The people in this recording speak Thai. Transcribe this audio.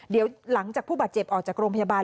เดี๋ยวหลังจากผู้บาดเจ็บออกจากโรงพยาบาล